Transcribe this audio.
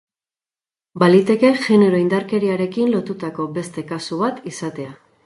Baliteke genero indarkeriarekin lotutako beste kasu bat izatea.